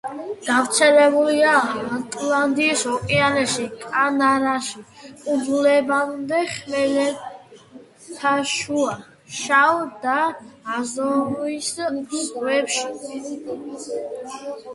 გავრცელებულია ატლანტის ოკეანეში კანარის კუნძულებამდე, ხმელთაშუა, შავ და აზოვის ზღვებში.